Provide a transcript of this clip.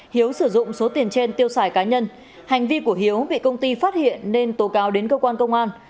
hiếu sử dụng số tiền trên tiêu xài cá nhân hành vi của hiếu bị công ty phát hiện nên tố cáo đến cơ quan công an